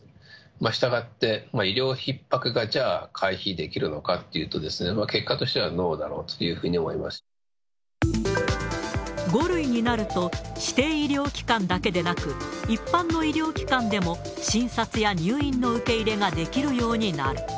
したがって、医療ひっ迫が、じゃあ、回避できるのかっていうとですね、結果としてはノーだろうというふ５類になると、指定医療機関だけでなく、一般の医療機関でも診察や入院の受け入れができるようになる。